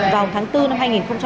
vào tháng bốn năm hai nghìn hai mươi